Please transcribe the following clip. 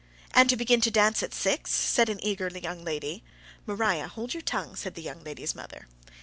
"And to begin to dance at six," said an eager young lady. "Maria, hold your tongue," said the young lady's mother.